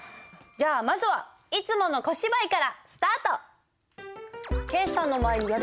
じゃあまずはいつもの小芝居からスタート！